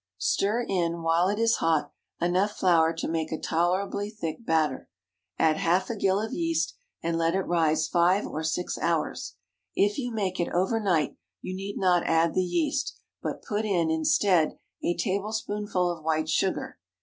Stir in, while it is hot, enough flour to make a tolerably thick batter. Add half a gill of yeast, and let it rise five or six hours. If you make it over night you need not add the yeast, but put in, instead, a tablespoonful of white sugar.